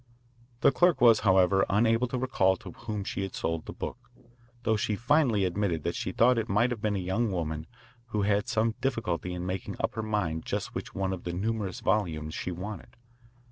The clerk was, however, unable to recall to whom she had sold the book, though she finally admitted that she thought it might have been a young woman who had some difficulty in making up her mind just which one of the numerous volumes she wanted.